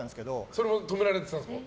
それも止められてたんですか？